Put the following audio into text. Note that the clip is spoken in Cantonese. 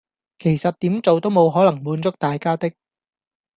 其實點做都冇可能滿足大家的